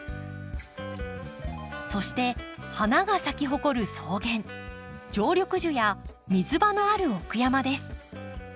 そして花が咲き誇る草原常緑樹や水場のある奥山です。